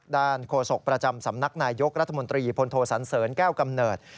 โฆษกประจำสำนักนายยกรัฐมนตรีพลโทสันเสริญแก้วกำเนิด